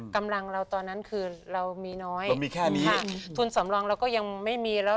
กำลังเราตอนนั้นคือเรามีน้อยเรามีแค่นี้ทุนสำรองเราก็ยังไม่มีแล้ว